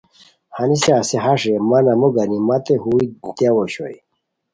ہنیسے ہسے ہݰ رے مہ ناموگانی متے ہوئے دیاؤ اوشوئے